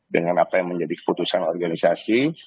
dengan apa yang menjadi keputusan organisasi